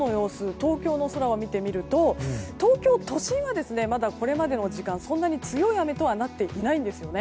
東京の空を見てみると東京都心はこれまでの時間強い雨とはなっていなんですよね。